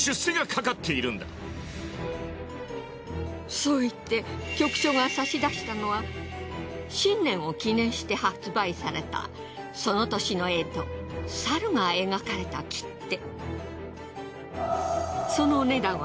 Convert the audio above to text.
そう言って局長が差し出したのは新年を記念して発売されたその年の干支猿が描かれた切手。